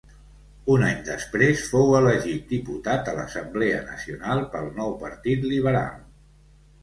Un any després fou elegit diputat a l'Assemblea Nacional pel nou Partit Liberal.